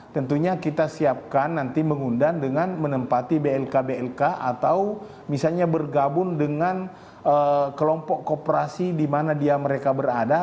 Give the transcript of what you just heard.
tentunya kita siapkan nanti mengundang dengan menempati blk blk atau misalnya bergabung dengan kelompok kooperasi di mana dia mereka berada